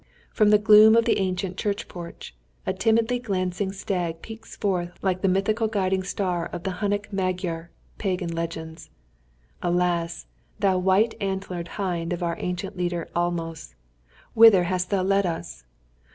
From the gloom of the ancient church porch a timidly glancing stag peeps forth like the mythical guiding star of the Hunnic Magyar pagan legends. Alas! thou white antlered hind of our ancient leader Almos, whither hast thou led us?